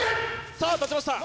さあ立ちました